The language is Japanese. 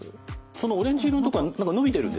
そのオレンジ色のとこは何か伸びてるんですか？